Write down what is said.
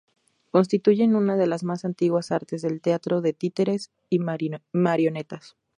Constituyen una de las más antiguas artes del teatro de títeres y marionetas.